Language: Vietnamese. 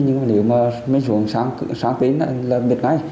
nhưng mà nếu mà mới xuống sáng tính là biết ngay